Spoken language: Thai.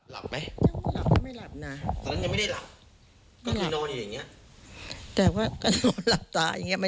ลุกขึ้นวิ่งออกเลย